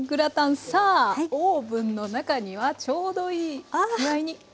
さあオーブンの中にはちょうどいい具合に。